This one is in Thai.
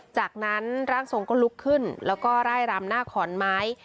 จากนั้นร่างทรงก็ลุกขึ้นแล้วก็ไล่รำหน้าขอนไม้